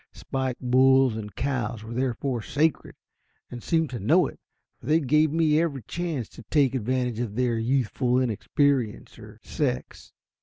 Spike bulls and cows were therefore sacred, and seemed to know it, for they gave me every chance to take advantage of their youthful inexperience or sex.